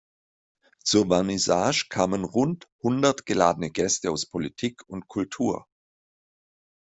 Zur Vernissage kamen rund hundert geladene Gäste aus Politik und Kultur.